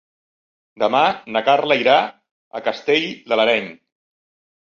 Demà na Carla irà a Castell de l'Areny.